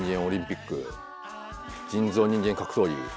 人造人間格闘技。